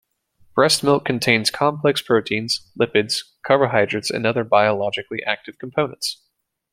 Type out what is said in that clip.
Breast milk contains complex proteins, lipids, carbohydrates and other biologically active components.